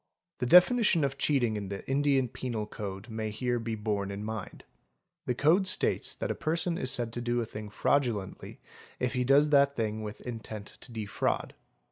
The definition of cheating in the Indian Penal Code may here be bornein mind. The Code states that a person is said — to do a thing "fraudulently" if he does that thing with intent to defraud.